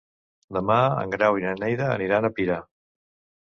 Demà en Grau i na Neida aniran a Pira.